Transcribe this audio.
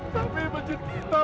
tapi menjengkel kita ustaz